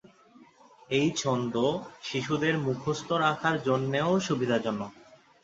এই ছন্দ শিশুদের মুখস্থ রাখার জন্যেও সুবিধাজনক।